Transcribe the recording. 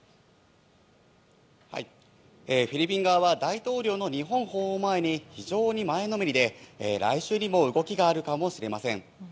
フィリピン側は大統領の日本訪問を前に非常に前のめりで、来週にも動きがあるかもしれません。